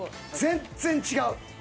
全然違う！